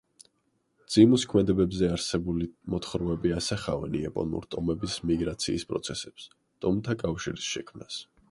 ძიმუს ქმედებებზე არსებული მოთხრობები ასახავენ იაპონური ტომების მიგრაციის პროცესებს, ტომთა კავშირის შექმნას.